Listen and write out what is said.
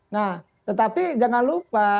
nah tetapi jangan lupa